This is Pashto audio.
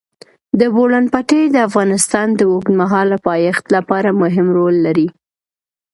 د بولان پټي د افغانستان د اوږدمهاله پایښت لپاره مهم رول لري.